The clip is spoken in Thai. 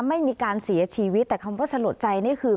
ไม่มีการเสียชีวิตแต่คำว่าสลดใจนี่คือ